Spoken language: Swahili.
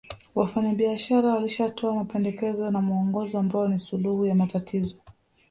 Wafanyabiashara walishatoa mapendekezo na muongozo ambao ni suluhu ya matatizo